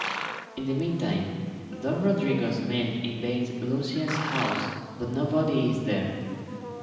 In the meantime, Don Rodrigo's men invade Lucia's house, but nobody is there.